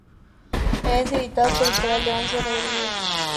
Es editado por Editorial Leoncio Rodríguez.